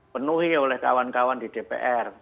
penuhi oleh kawan kawan di dpr